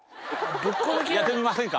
やってみませんか？